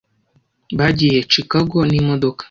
Bagiye Chicago n'imodoka.